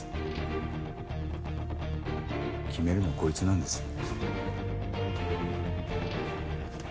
決めるのはこいつなんですよ。